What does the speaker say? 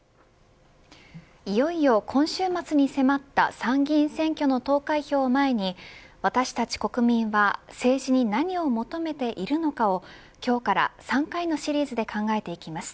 いよいよ今週末に迫った参議院選挙の投開票を前に私たち国民は政治に何を求めているのかを今日から３回のシリーズで考えていきます。